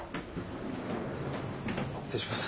失礼します。